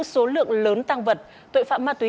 số lượng lớn tăng vật tội phạm ma túy